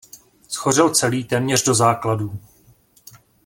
Shořel celý téměř do základů.